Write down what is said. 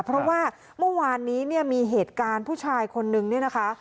เพราะว่าเมื่อวานนี้เนี่ยมีเหตุการณ์ผู้ชายคนนึงเนี่ยนะคะ